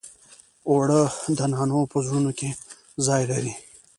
اوړه د نانو په زړونو کې ځای لري